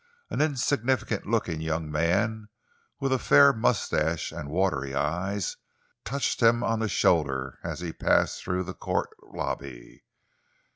An insignificant looking young man with a fair moustache and watery eyes touched him on the shoulder as he passed through the Court lobby.